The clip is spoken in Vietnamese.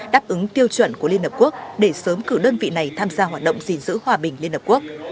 đáp ứng tiêu chuẩn của liên hợp quốc để sớm cử đơn vị này tham gia hoạt động gìn giữ hòa bình liên hợp quốc